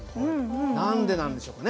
何でなんでしょうかね？